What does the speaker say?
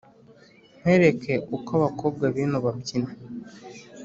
nkwereke uko abakobwa b’ino babyina.